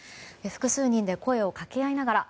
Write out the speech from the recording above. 複数人で声をかけ合いながら。